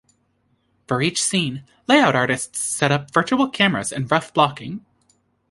For each scene, layout artists set up virtual cameras and rough blocking.